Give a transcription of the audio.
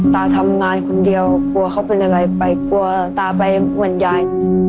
ตาทำงานคนเดียวกลัวเขาเป็นอะไรไปกลัวตาไปเหมือนยาย